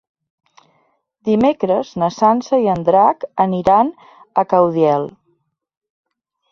Dimecres na Sança i en Drac aniran a Caudiel.